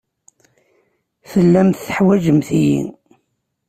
Tellamt teḥwajemt-iyi.